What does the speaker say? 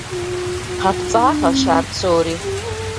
ГъэпцӀагъэщ ар псори.